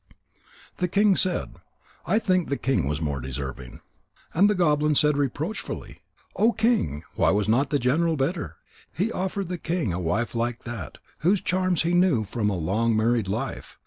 The king said: "I think the king was the more deserving." And the goblin said reproachfully: "O King, why was not the general better? He offered the king a wife like that, whose charms he knew from a long married life.